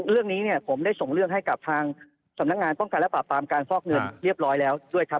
เรื่องนี้เนี่ยผมได้ส่งเรื่องให้กับทางสำนักงานป้องกันและปราบปรามการฟอกเงินเรียบร้อยแล้วด้วยครับ